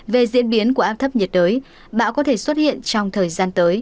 về diễn biến của áp thấp nhiệt đới bão có thể xuất hiện trong thời gian tới